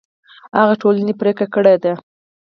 هغه ټولنې پرېکړه کړې ده